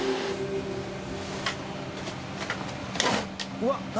うわっ何？